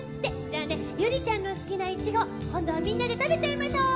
じゃあねゆりちゃんのすきないちごこんどはみんなでたべちゃいましょう。